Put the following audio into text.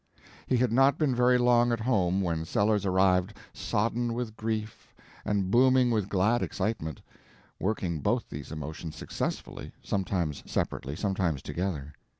He had not been very long at home when Sellers arrived sodden with grief and booming with glad excitement—working both these emotions successfully, sometimes separately, sometimes together.